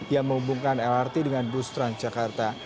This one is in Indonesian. yang menghubungkan lrt dengan bus transjakarta